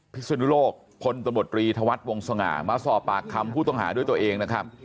พิศนุโรกพบธวรรษวงศงามาสอบปากคำผู้ต้องหาด้วยตัวเอง